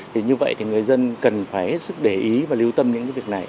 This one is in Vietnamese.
thì như vậy thì người dân cần phải hết sức để ý và lưu tâm những cái việc này